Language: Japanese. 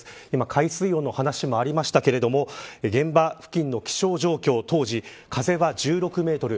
海水温の話もありましたが現場付近の気象状況当時、風は１６メートル